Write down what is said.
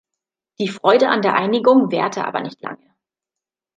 Die Freude an der Einigung währte aber nicht lange.